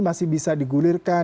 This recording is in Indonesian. masih bisa digulirkan